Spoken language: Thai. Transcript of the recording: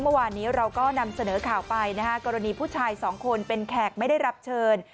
เมื่อวานนี้เราก็นำเสนอข่าวไปนะฮะกรณีผู้ชายสองคนเป็นแขกไม่ได้รับเชิญ